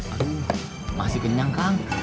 aduh masih kenyang kang